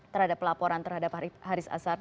terhadap laporan terhadap haris azhar